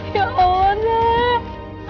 ya allah nak